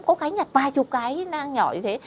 có cái nhặt vài chục cái nhỏ như thế